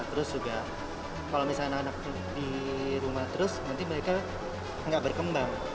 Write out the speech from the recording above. terus juga kalau misalnya anak anak di rumah terus nanti mereka nggak berkembang